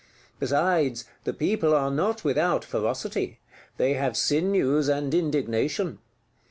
Besides, the people are not without ferocity; they have sinews and indignation.